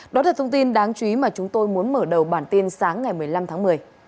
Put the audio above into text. đó là thông tin đáng chú ý mà chúng tôi muốn mở đầu bản tin sáng ngày một mươi năm tháng một mươi